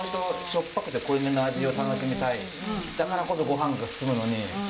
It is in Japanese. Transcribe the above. だからこそごはんが進むのに。